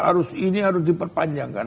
harus ini harus diperpanjangkan